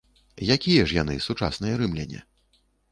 Якія ж яны, сучасныя рымляне?